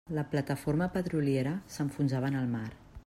La plataforma petroliera s'enfonsava en el mar.